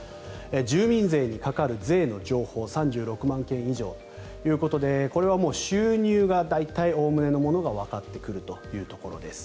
住民税に係る税の情報が３６万件以上ということでこれは収入が大体おおむねのものがわかってくるというところです。